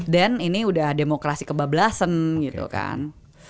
den ini udah demokrasi kebablasan gitu kan